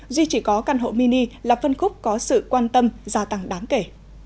duy chỉ có căn hộ mini là phân khúc có sự quan tâm gia tăng đáng kể